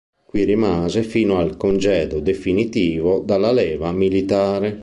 Qui rimase fino al congedo definitivo dalla leva militare.